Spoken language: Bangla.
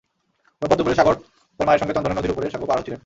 রোববার দুপুরে সাগর তাঁর মায়ের সঙ্গে চন্দনা নদীর ওপরের সাঁকো পার হচ্ছিলেন।